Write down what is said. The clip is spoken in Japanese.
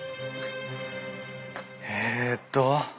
えっと？